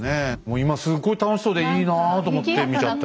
今すごい楽しそうでいいなぁと思って見ちゃった。